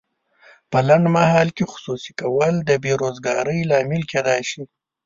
په لنډمهال کې خصوصي کول د بې روزګارۍ لامل کیدای شي.